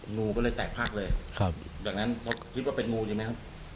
โมก็เลยแทดครับแล้วนั่นตัวจุดขาดและ